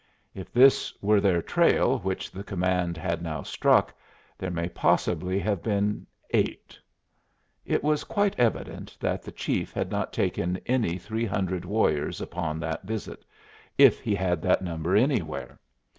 If this were their trail which the command had now struck, there may possibly have been eight. It was quite evident that the chief had not taken any three hundred warriors upon that visit, if he had that number anywhere.